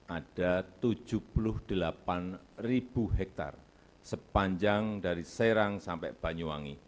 ada tujuh puluh delapan ribu hektare sepanjang dari serang sampai banyuwangi